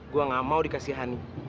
gue nggak mau dikasihani